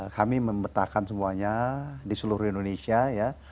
kami membetahkan semuanya di seluruh indonesia ya